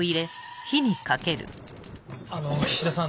あの菱田さん